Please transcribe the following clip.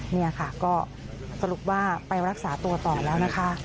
นี่ค่ะก็สรุปว่าไปรักษาตัวต่อแล้วนะคะ